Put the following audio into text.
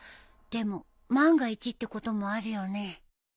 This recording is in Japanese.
でも万が一ってこともあるよね